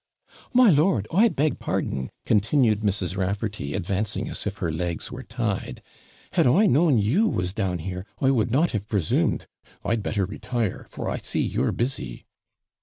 'My lord, I beg pardon;' continued Mrs. Raffarty, advancing as if her legs were tied; 'had I known you was down here, I would not have presumed. I'd better retire; for I see you're busy.'